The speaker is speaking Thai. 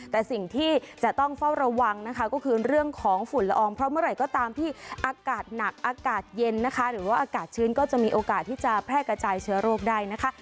แต่สิ่งที่จะต้องเฝ้าระวังนะคะก็คือเรื่องของฝุ่นละอองเพราะเมื่อไหร่ก็ตามที่อากาศหนักอากาศเย็นนะคะหรือว่าอากาศชื้นก็จะมีโอกาสที่จะแพร่กระจายเชื้อโรคได้นะคะ